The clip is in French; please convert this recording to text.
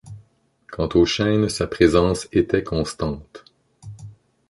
Quant au chêne sa présence était constante.